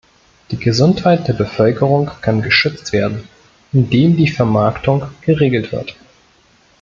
Die Gesundheit der Bevölkerung kann geschützt werden, indem die Vermarktung geregelt wird.